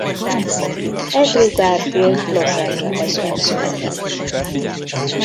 Andrew Garfield Los Angelesben született.